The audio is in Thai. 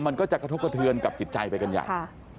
มันก็จะกระทบกระเทือนกับจิตใจไปกันใหญ่